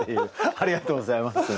ありがとうございます。